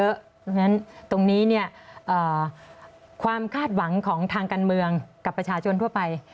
เพราะฉะนั้นตรงนี้ความคาดหวังของทางการเมืองกับประชาชนทั่วไป